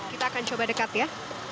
kita akan coba dekat ya